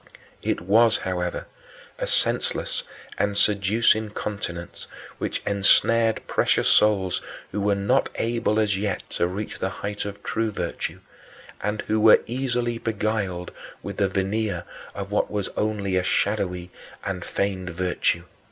It was, however, a senseless and seducing continence, which ensnared precious souls who were not able as yet to reach the height of true virtue, and who were easily beguiled with the veneer of what was onl